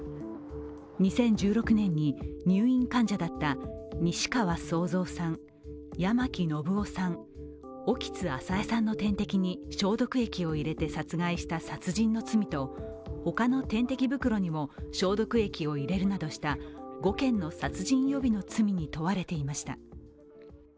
２０１６年に入院患者だった西川惣藏さん、八巻信雄さん、興津朝江さんの点滴に消毒液を入れて殺害した殺人の罪とほかの点滴袋にも消毒液を入れるなどした５件の殺人予備の罪に問われていました。